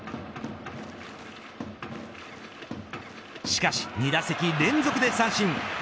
しかし、２打席連続で三振。